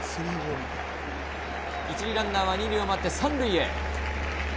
１塁ランナーは２塁を回って３塁へ。